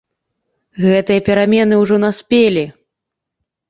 Гэтыя перамены ўжо наспелі.